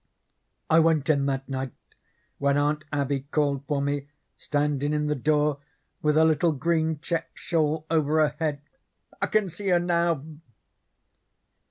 I went in that night when Aunt Abby called for me, standin' in the door with her little green checked shawl over her head. I can see her now.